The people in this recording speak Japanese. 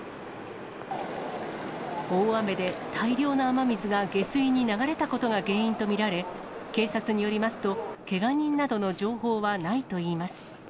大雨で大量の雨水が下水に流れたことが原因と見られ、警察によりますと、けが人などの情報はないといいます。